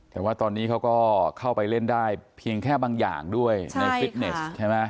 แต่ว่าตอนนี้เขาก็เข้าไปเล่นได้เพียงแค่บางอย่างด้วยในฟิตเนสใช่ไหม